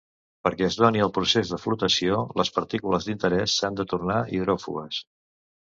Perquè es doni el procés de flotació les partícules d'interès s'han de tornar hidròfobes.